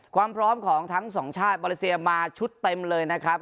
ความพร้อมของทั้งสองชาติมาเลเซียมาชุดเต็มเลยนะครับ